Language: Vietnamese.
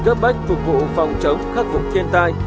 cấp bách phục vụ phòng chống khắc phục thiên tai